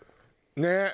ねっ？